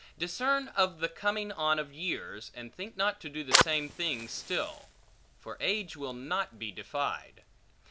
Discern of the coming on of years, and think not to do the same things still; for age will not be defied.